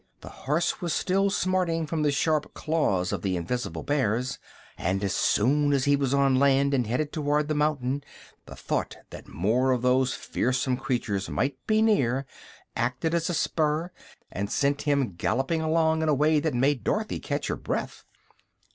The horse was still smarting from the sharp claws of the invisible bears, and as soon as he was on land and headed toward the mountain the thought that more of those fearsome creatures might be near acted as a spur and sent him galloping along in a way that made Dorothy catch her breath.